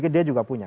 dia juga punya